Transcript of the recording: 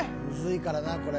いからなこれ。